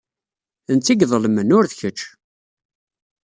D netta ay iḍelmen, ur d kecc.